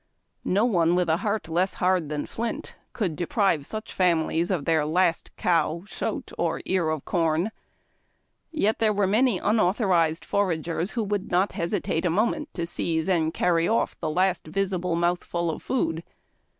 No one with a heart less hard than flint could deprive such families of their last cow, shote, or ear of corn. Yet there were many unauthorized foragers who would not hesitate a moment to seize and carry off the last visible mouthful of food.